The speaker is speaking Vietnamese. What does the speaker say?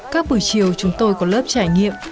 các buổi chiều chúng tôi có lớp trải nghiệm